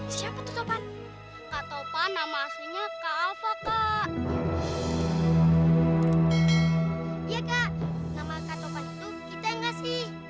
iya kak nama kak topan itu kita yang kasih